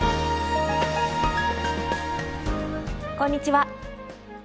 こんにちは。